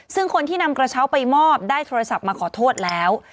ซึ่งคนที่นำกระเช้าไปมอบได้โทรศัพท์มาขอโทษแล้ว